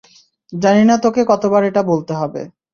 জানি না তোকে কতবার এটা বলতে হবে।